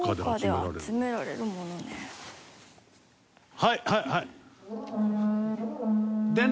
はいはいはい！